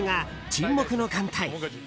「沈黙の艦隊」。